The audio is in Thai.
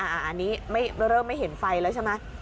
อันนี้เริ่มไม่เห็นไฟแล้วใช่ไหม